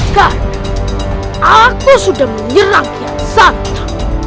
karena aku sudah menyerang kia santam